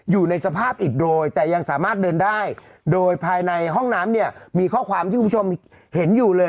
อยู่ในสภาพอิดโดยแต่ยังสามารถเดินได้โดยภายในห้องน้ำเนี่ยมีข้อความที่คุณผู้ชมเห็นอยู่เลย